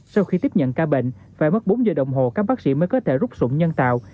sau khi tiếp nhận ca bệnh phải mất bốn giờ đồng hồ các bác sĩ mới có thể rút sụng nhân tạo